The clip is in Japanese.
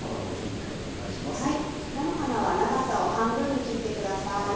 菜の花は長さを半分に切って下さい。